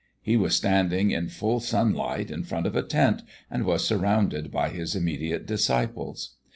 He was standing in full sunlight in front of a tent, and was surrounded by his immediate disciples.